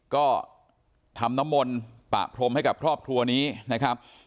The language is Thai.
ก็ทำน้ำมนต์ปะพรมให้กับครอบครัวนี้นะครับ